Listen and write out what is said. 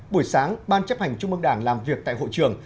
buổi sáng ban chấp hành trung mương đảng làm việc tại hội trường